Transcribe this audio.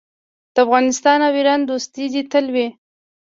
د افغانستان او ایران دوستي دې تل وي.